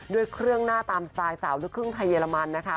ด้วยเครื่องหน้าตามสไตล์สาวลูกครึ่งไทยเยอรมันนะคะ